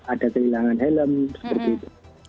ada kehilangan helm seperti itu